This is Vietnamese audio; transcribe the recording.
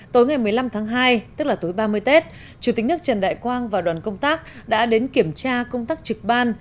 tối ngày một mươi năm tháng hai tức là tối ba mươi tết chủ tịch nước trần đại quang và đoàn công tác đã đến kiểm tra công tắc trực ban